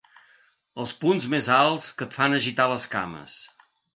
Els punts més alts que et fan agitar les cames.